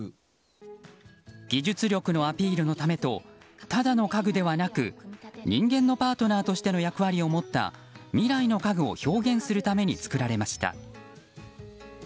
技術力のアピールのためとただの家具ではなく人間のパートナーとしての役割を持った未来の家具を表現するために作られました。